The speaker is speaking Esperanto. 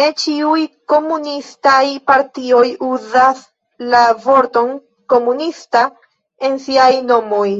Ne ĉiuj komunistaj partioj uzas la vorton "komunista" en siaj nomoj.